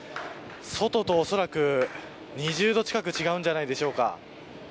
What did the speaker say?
外とおそらく２０度近く違うんじゃないでしょうか。